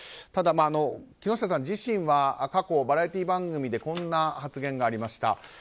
ただ木下さん自身は過去、バラエティー番組でこんな発言がありました。